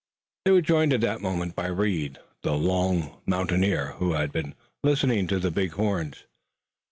They were joined at that moment by Reed, the long mountaineer, who had also been listening to the big horns.